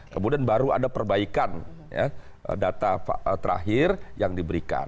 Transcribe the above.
kemudian baru ada perbaikan data terakhir yang diberikan